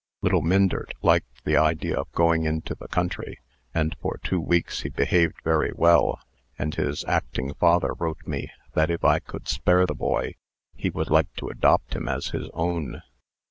"Little Myndert liked the idea of going into the country, and for two weeks he behaved very well; and his acting father wrote me, that if I could spare the boy, he would like to adopt him as his own.